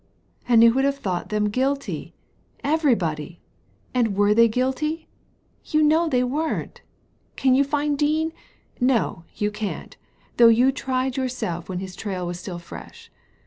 And who would have thought them guilty ? Everybody ! And were they guilty ? You know they weren't Can you find Dean? No, you can't, though you tried yourself when his trail was still fresh.